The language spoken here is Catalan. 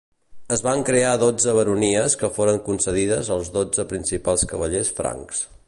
Es van crear dotze baronies que foren concedides als dotze principals cavallers francs.